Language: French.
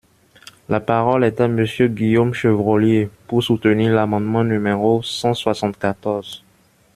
La parole est à Monsieur Guillaume Chevrollier, pour soutenir l’amendement numéro cent soixante-quatorze.